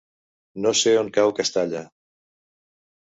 No sé on cau Castalla.